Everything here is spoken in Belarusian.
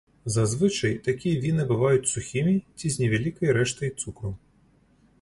Зазвычай, такія віны бываюць сухімі ці з невялікай рэштай цукру.